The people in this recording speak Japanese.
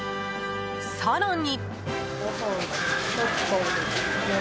更に。